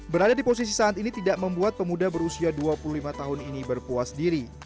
berada di posisi saat ini tidak membuat pemuda berusia dua puluh lima tahun ini berpuas diri